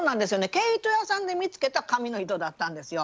毛糸屋さんで見つけた紙の糸だったんですよ。